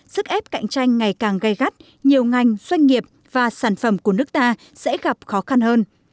sức ép cạnh tranh ngày càng gây gắt nhiều ngành doanh nghiệp và sản phẩm của nước ta sẽ gặp khó khăn hơn